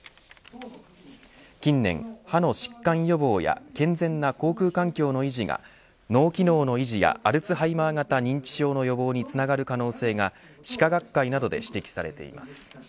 近年、歯の疾患予防や健全な口腔環境の維持が脳機能の維持やアルツハイマー型認知症の予防につながる可能性が歯科学会などで指摘されています。